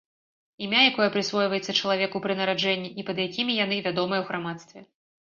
Імя, якое прысвойваецца чалавеку пры нараджэнні і пад якімі яны вядомыя ў грамадстве.